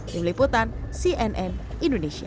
tim liputan cnn indonesia